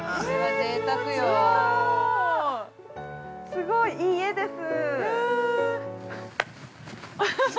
すごい、いい画です。